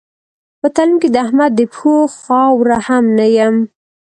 په تعلیم کې د احمد د پښو خاوره هم نه یم.